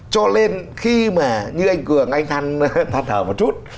cho lên khi mà như anh cường anh thành thật thở một chút